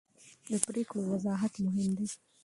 د پرېکړو وضاحت مهم دی